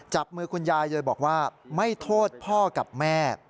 จับมือคุณยายเลยบอกว่าไม่โทษพ่อกับแม่